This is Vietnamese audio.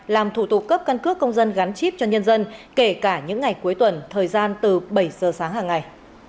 làm thủ tục cấp căn cước công dân gắn chip cho nhân dân kể cả những ngày cuối tuần thời gian từ bảy giờ sáng hàng ngày